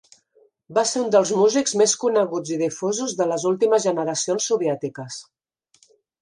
Va ser un dels músics més coneguts i difosos de les últimes generacions soviètiques.